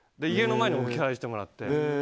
家の前に置き配してもらって。